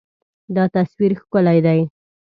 دا تصویر ښکلی دی.